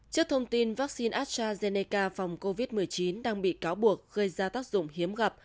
trước thông tin vaccine astrazeneca phòng covid một mươi chín đang bị cáo buộc gây ra tác dụng hiếm gặp